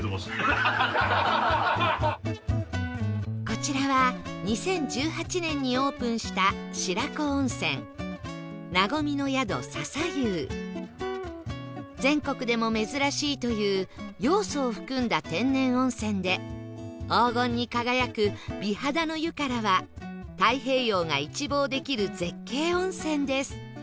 こちらは２０１８年にオープンした白子温泉全国でも珍しいというヨウ素を含んだ天然温泉で黄金に輝く美肌の湯からは太平洋が一望できる絶景温泉です